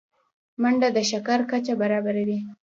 منډه د شکر کچه برابروي